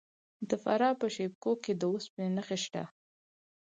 د فراه په شیب کوه کې د وسپنې نښې شته.